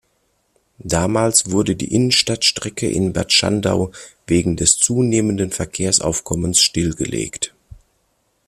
Damals wurde die Innenstadtstrecke in Bad Schandau wegen des zunehmenden Verkehrsaufkommens stillgelegt.